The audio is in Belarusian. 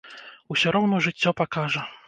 Усё роўна жыццё пакажа.